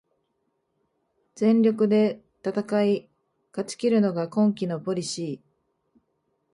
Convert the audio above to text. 全力で戦い勝ちきるのが今季のポリシー